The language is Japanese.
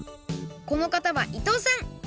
このかたは伊藤さん。